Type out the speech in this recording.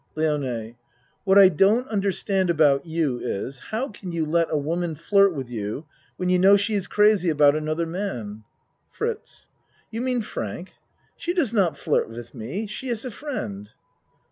LIONE What I don't understand about you is how can you let a woman flirt with you when you know she is crazy about another man. FRITZ You mean Frank? She does not flirt with me. She iss a friend.